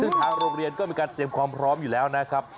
ซึ่งทางโรงเรียนก็มีการเตรียมความพร้อมอยู่แล้วนะครับ